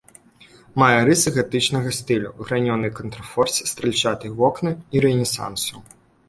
Мае рысы гатычнага стылю, гранёныя контрфорсы, стральчатыя вокны, і рэнесансу.